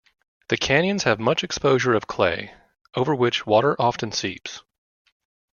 The canyons have much exposure of clay, over which water often seeps.